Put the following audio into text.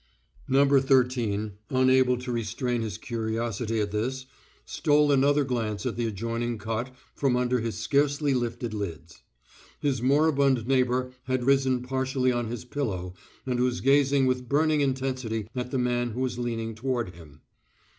No. Thirteen, unable to restrain his curiosity at this, stole another glance at the adjoining cot from under his scarcely lifted lids. His moribund neighbor had risen partially on his pillow and was gazing with burning intensity at the man who was leaning toward him.